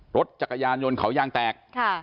รถจักรยานยนต์เขายางแตก